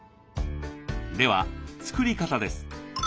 では作り方です。